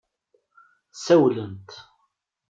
Ssawlent.